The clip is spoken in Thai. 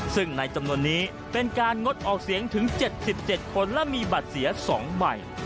ซึ่งในจำนวนนี้เป็นการงดออกเสียงถึง๗๗คนและมีบัตรเสีย๒ใบ